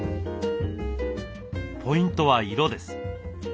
ポイントは色です。